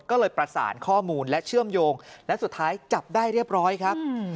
ก็เลยประสานข้อมูลและเชื่อมโยงและสุดท้ายจับได้เรียบร้อยครับ